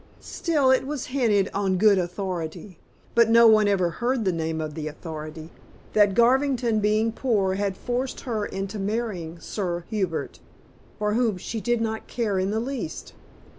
Still it was hinted on good authority but no one ever heard the name of the authority that Garvington being poor had forced her into marrying Sir Hubert, for whom she did not care in the least.